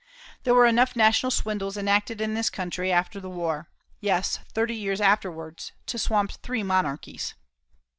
There were enough national swindles enacted in this country after the war yes, thirty years afterwards to swamp three monarchies.